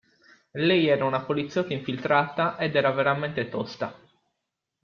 Lei era una poliziotta infiltrata ed era veramente tosta.